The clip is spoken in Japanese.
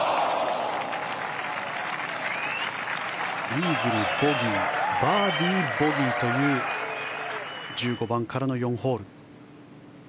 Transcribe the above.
イーグル、ボギーバーディー、ボギーという１５番からの４ホール。